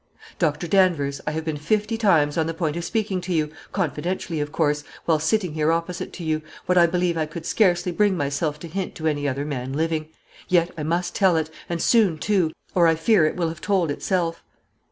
"Dr. Danvers, I have been fifty times on the point of speaking to you confidentially of course while sitting here opposite to you, what I believe I could scarcely bring myself to hint to any other man living; yet I must tell it, and soon, too, or I fear it will have told itself."